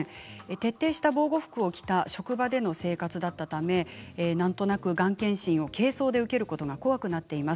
徹底した防護服を着た職場での生活だったためなんとなくがん検診を軽装で受けることが怖くなっています。